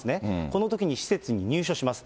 このときに施設に入所します。